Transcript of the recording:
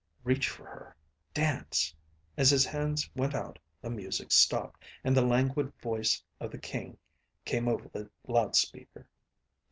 Reach for her. Dance. As his hands went out, the music stopped, and the languid voice of the King came over the loudspeaker.